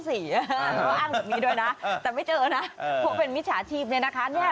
เขาอ้างแบบนี้ด้วยนะแต่ไม่เจอนะเพราะเป็นมิจฉาชีพเนี่ยนะคะ